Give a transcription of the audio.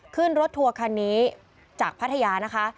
ขึ้นรถทัวร์คันนี้จากพัทยานะคะ